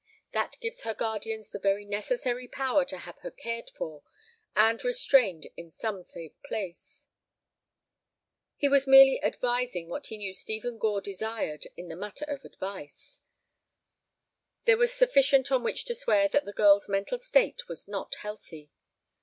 That gives her guardians the very necessary power to have her cared for and restrained in some safe place." He was merely advising what he knew Stephen Gore desired in the matter of advice. There was sufficient on which to swear that the girl's mental state was not healthy.